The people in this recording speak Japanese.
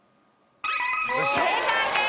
正解です。